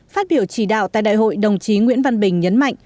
phát biểu chỉ đạo tại đại hội đồng chí nguyễn văn bình nhấn mạnh